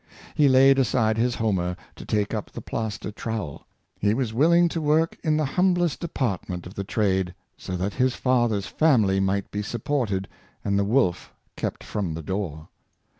He laid aside his Homer to take up the plaster trowel. He was willing to work in the humblest department of the trade, so that his father's family might be supported and the wolf kept from the door.